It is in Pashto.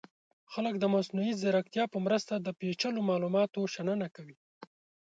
خلک د مصنوعي ځیرکتیا په مرسته د پیچلو معلوماتو شننه کوي.